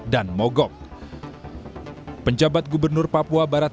dan tidak memenuhi sejumlah ruas jalan